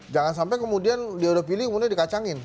jangan sampai kemudian dia udah pilih kemudian dikacangin